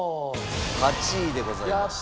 ８位でございました。